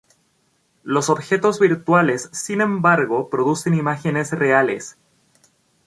Los objetos virtuales sin embargo producen imágenes reales.